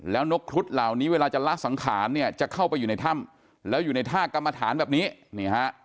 แล้วนกครุฑเหล่านี้เวลาจะละสังขารเนี่ยจะเข้าไปอยู่ในถ้ำแล้วอยู่ในท่ากรรมฐานแบบนี้นี่ฮะ